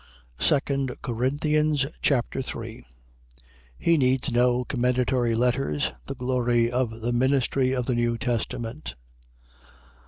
2 Corinthians Chapter 3 He needs no commendatory letters. The glory of the ministry of the New Testament.